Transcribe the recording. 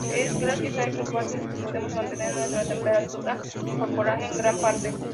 Es gracias a estas fases que podemos mantener nuestra temperatura corporal en gran parte.